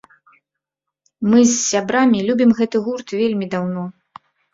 Мы з сябрамі любім гэты гурт вельмі даўно.